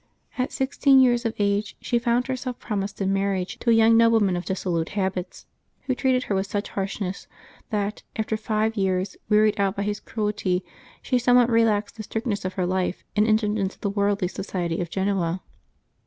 At sixteen years of age she found herself promised in marriage to a young nobleman of dissolute habits, who treated her with such harshness that, after five years, wearied out by his cruelty, she somewhat relaxed the strictness of her life and entered into the worldly soci ety of Genoa.